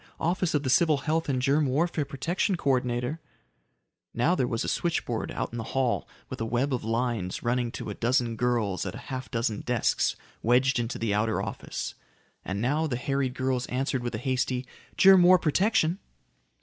Office of the Civil Health and Germ Warfare Protection Co ordinator." Now there was a switchboard out in the hall with a web of lines running to a dozen girls at a half dozen desks wedged into the outer office. And now the harried girls answered with a hasty, "Germ War Protection."